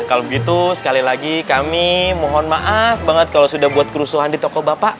kalau begitu sekali lagi kami mohon maaf banget kalau sudah buat kerusuhan di toko bapak